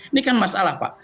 ini kan masalah pak